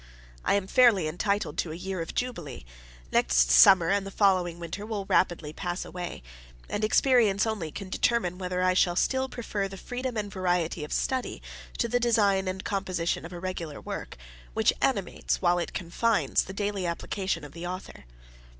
I am fairly entitled to a year of jubilee: next summer and the following winter will rapidly pass away; and experience only can determine whether I shall still prefer the freedom and variety of study to the design and composition of a regular work, which animates, while it confines, the daily application of the Author.